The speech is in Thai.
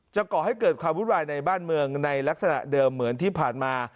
ก่อให้เกิดความวุ่นวายในบ้านเมืองในลักษณะเดิมเหมือนที่ผ่านมา